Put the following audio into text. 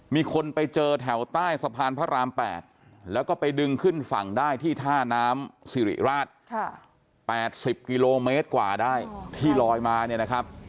มีคนไปเจอแถวใต้สะพานพระราม๘แล้วก็ไปดึงขึ้นฝั่งได้ที่ท่าน้ำสิริราช๘๐กิโลเมตรกว่าได้ที่ลอยมาเนี่ยนะครับ